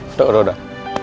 udah udah udah